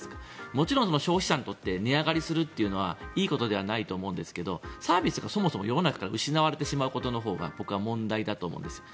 もちろん消費者にとって値上がりするのはいいことではないと思うんですがサービスがそもそも世の中から失われてしまうことのほうが僕は問題だと思うんです。